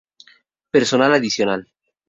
Personal adicional